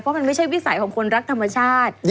เพราะมันไม่ใช่วิสัยของคนรักธรรมชาติ